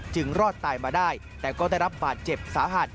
รอดตายมาได้แต่ก็ได้รับบาดเจ็บสาหัส